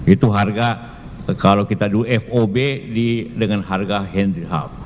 itu harga kalau kita do fob dengan harga henry hap